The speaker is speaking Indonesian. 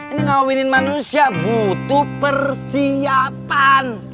ini ngawin manusia butuh persiapan